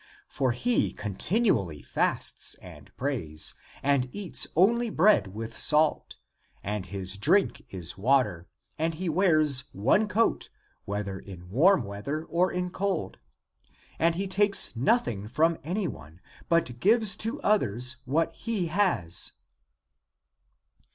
For he con tinually fasts and prays, and eats only bread with salt, and his drink is water, and he wears one coat, whether in warm weather or in cold, and he takes nothing from anyone, but gives to others what he has."